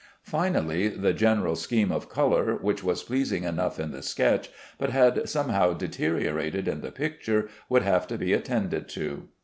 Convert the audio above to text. Finally, the general scheme of color, which was pleasing enough in the sketch, but had somehow deteriorated in the picture, would have to be attended to.